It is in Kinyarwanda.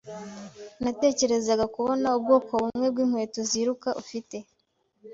Natekerezaga kubona ubwoko bumwe bwinkweto ziruka ufite.